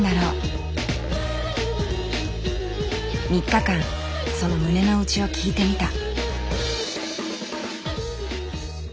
３日間その胸の内を聞いてみた。